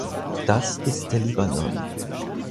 Das ist der Libanon.